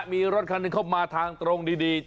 มีรถคันหนึ่งเข้ามาทางตรงดี